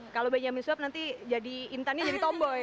kalau benyamin swap nanti jadi intan ini jadi tomboy